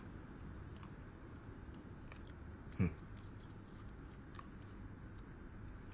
うん。